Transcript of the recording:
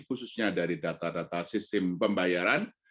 khususnya dari data data sistem pembayaran